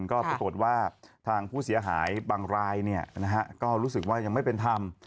ก็ปรากฏว่าทางผู้เสียหายบางรายก็รู้สึกว่ายังไม่เป็นธรรม